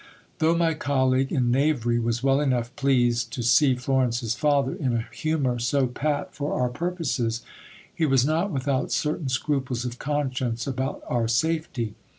Though my colleague in knavery was well enough pleased to see Florence's father in a humour so pat for our purposes, he was not without certain scruples of conscience about our safety.